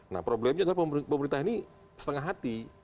nah problemnya adalah pemerintah ini setengah hati